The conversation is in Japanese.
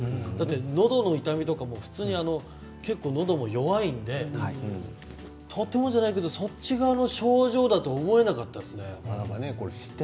のどの痛みとかも結構のどが弱いのでとてもじゃないけれどそっち側の症状だとは思えなかったですね。